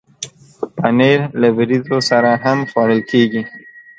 پنېر له وریجو سره هم خوړل کېږي.